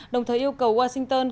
đồng thời yêu cầu washington